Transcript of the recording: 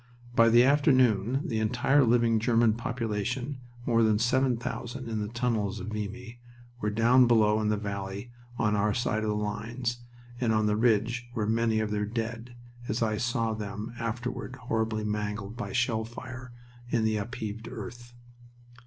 By the afternoon the entire living German population, more than seven thousand in the tunnels of Vimy, were down below in the valley on our side of the lines, and on the ridge were many of their dead as I saw them afterward horribly mangled by shell fire in the upheaved earth.